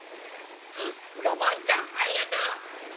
さすが万ちゃんありがとう！